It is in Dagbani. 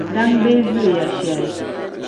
daŋ bɛɛ zuliya shɛli.